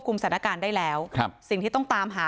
พร้อมด้วยผลตำรวจเอกนรัฐสวิตนันอธิบดีกรมราชทัน